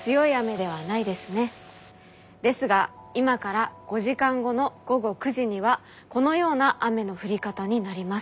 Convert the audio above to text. ですが今から５時間後の午後９時にはこのような雨の降り方になります。